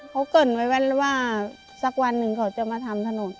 เค้าเกิดไว้ว่าสักวันหนึ่งเค้าจะมาทำถนน